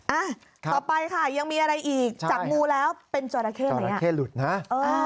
อัต่อไปค่ะยังมีอะไรอีกจับงูแล้วเป็นจอราเค้หรือไงอ่าอ่า